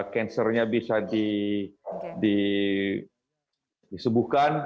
kansernya bisa disebuhkan